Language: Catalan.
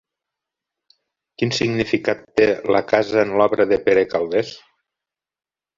Quin significat té la casa en l'obra de Pere Calders?